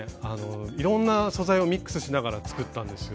いろんな素材をミックスしながら作ったんですよ。